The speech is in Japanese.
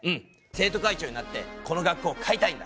生徒会長になってこの学校を変えたいんだ！